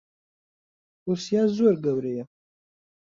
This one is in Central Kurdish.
ڕووسیا زۆر گەورەیە.